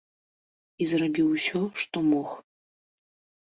Я зрабіў усё, што мог.